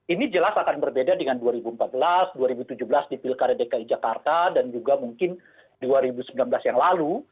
ini jelas akan berbeda dengan dua ribu empat belas dua ribu tujuh belas di pilkada dki jakarta dan juga mungkin dua ribu sembilan belas yang lalu